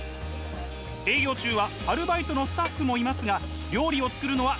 営業中はアルバイトのスタッフもいますが料理を作るのは